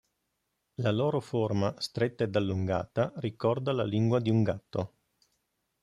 La loro forma stretta ed allungata ricorda la lingua di un gatto.